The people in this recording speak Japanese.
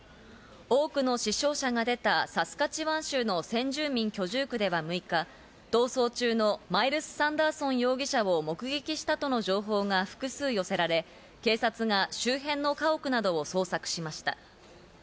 多くの死傷者が出たサスカチワン州の先住民居住区地区では６日、逃走中のマイルス・サンダーソン容疑者を目撃したとの情報が複数寄せられ、警察が周辺の家屋などを捜索しました。